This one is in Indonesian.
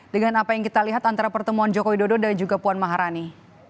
dengan apa yang kita lihat antara pertemuan jokowi dodo dan juga puan maharani